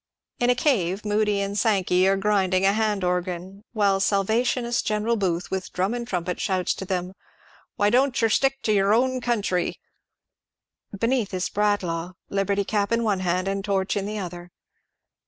In a cave Moody and Sankev are gruSng a hand ^, while Salvationist General Booth with drum and trumpet shouts to them, " Why don't yer stick to yer own country ?" Beneath is Bradlaugh, liberty cap in one hand and torch in the other.